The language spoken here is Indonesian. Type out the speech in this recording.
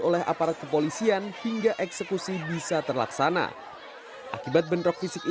oleh aparat kepolisian hingga eksekusi bisa terlaksana akibat bentrokan ini terlalu banyak